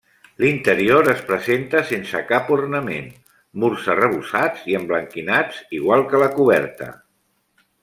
L'interior es presenta sense cap ornament, murs arrebossats i emblanquinats igual que la coberta.